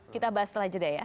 kita bahas setelah jeda ya